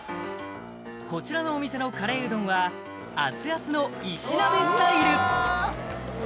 こちらのお店のカレーうどんは熱々の石鍋スタイル！